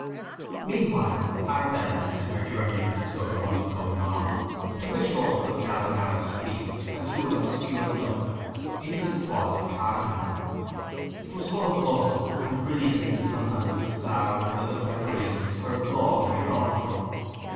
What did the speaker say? _ Meanwhile Arabella, in her journey to discover what was going on, took a short cut down a narrow street and through an obscure nook into the quad of Cardinal. It was full of bustle, and brilliant in the sunlight with flowers and other preparations for a ball here also.